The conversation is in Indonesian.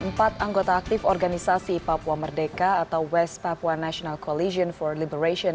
empat anggota aktif organisasi papua merdeka atau west papua national coalition for liberation